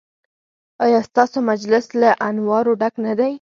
ایا ستاسو مجلس له انوارو ډک نه دی؟